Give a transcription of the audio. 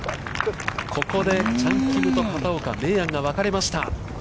ここでチャン・キムと片岡、明暗が分かれました。